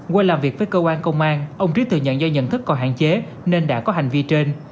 qua làm việc với cơ quan công an ông trí thừa nhận do nhận thức còn hạn chế nên đã có hành vi trên